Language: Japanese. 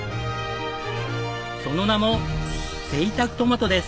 その名も「ぜいたくトマト」です。